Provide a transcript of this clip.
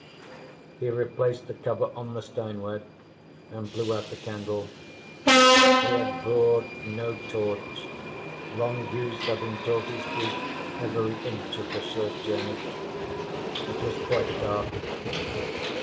He replaced the cover on the Steinway and blew out the candle. He had brought no torch, long use having taught his feet every inch of the short journey. It was quite dark.